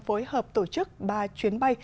phối hợp tổ chức ba chuyến bay